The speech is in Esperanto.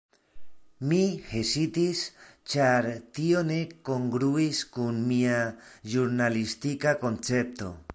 Mi hezitis, ĉar tio ne kongruis kun mia ĵurnalistika koncepto.